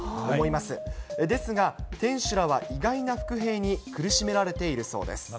ですが、店主らは意外な伏兵に苦しめられているそうです。